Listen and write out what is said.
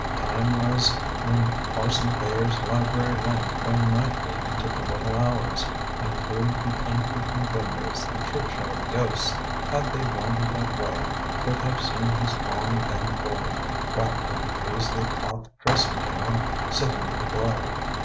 Time was when Parson Thayer's library lamp burned nightly into the little hours, and through the uncurtained windows the churchyard ghosts, had they wandered that way, could have seen his long thin form, wrapped in a paisley cloth dressing gown, sitting in the glow.